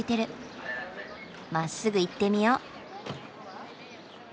まっすぐ行ってみよう。